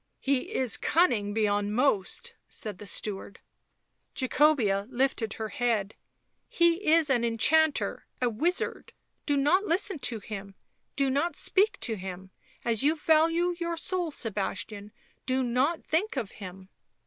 " He is cunning beyond most," said the steward. Jacobea lifted her head. " He is an enchanter — a wizard, do not listen to him, do not speak to him — as you value your soul, Sebastian, do not think of him."